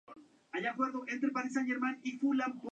Su madre, la Dra.